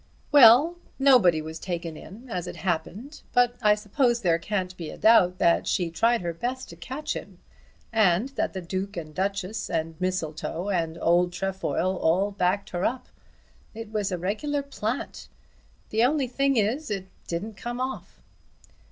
"Well; nobody was taken in as it happened. But I suppose there can't be a doubt that she tried her best to catch him, and that the Duke and Duchess and Mistletoe, and old Trefoil, all backed her up. It was a regular plant. The only thing is, it didn't come off."